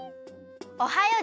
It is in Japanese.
「おはよう！」